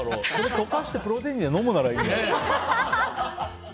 溶かしてプロテインで飲むならいいけど。